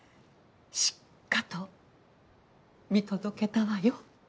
しかと見届けたわよ。